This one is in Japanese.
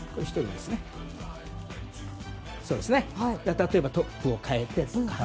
例えば、トップを代えたりとか。